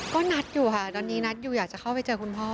ก็นัดอยู่ค่ะตอนนี้นัดอยู่อยากจะเข้าไปเจอคุณพ่อ